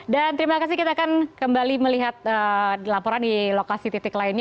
dan terima kasih kita akan kembali melihat laporan di lokasi titik lainnya